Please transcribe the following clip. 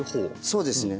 そうですね。